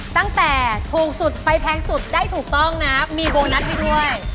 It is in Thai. ตั้งแต่ถูกสุดไปแพงสุดได้ถูกต้องนะมีโบนัสไปด้วย